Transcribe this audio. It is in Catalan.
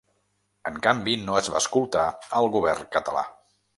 En canvi no es va escoltar el govern català.